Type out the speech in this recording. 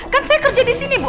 kan saya kerja disini bu